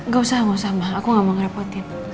gausah gausah ma aku gak mau ngerepotin